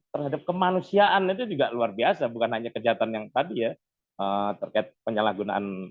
terhadap kemanusiaan itu juga luar biasa bukan hanya kejahatan yang tadi ya terkait penyalahgunaan